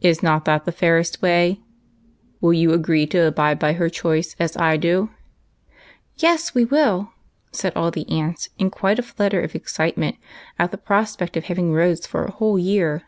Is not that the fairest way ? Will you agree to abide by her choice, as I do ?"" Yes, we will," said all the aunts, in quite a flutter of excitement, at the prospect of having Rose for a whole year.